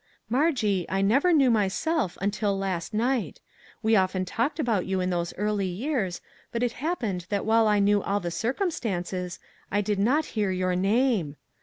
" Margie, I never knew myself until last night. We often talked about you in those early years, but it happened that while I knew all the circumstances, I did not hear your name.